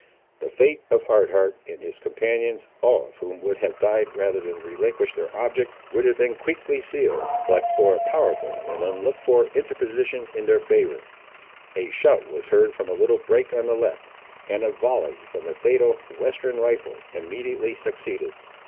The fate of Hard Heart and his companions, all of whom would have died rather than relinquish their object, would have been quickly sealed, but for a powerful and unlooked for interposition in their favour. A shout was heard from a little brake on the left, and a volley from the fatal western rifle immediately succeeded.